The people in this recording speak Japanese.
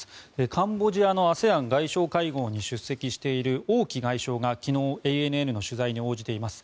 カンボジアのＡＳＥＡＮ外相会合に出席している王毅外相が昨日ＡＮＮの取材に応じています。